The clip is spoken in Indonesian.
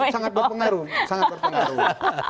cawapresnya sangat berpengaruh